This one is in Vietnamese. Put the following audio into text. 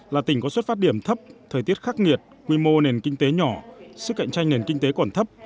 là tỉnh có xuất phát điểm thấp thời tiết khắc nghiệt quy mô nền kinh tế nhỏ sức cạnh tranh nền kinh tế còn thấp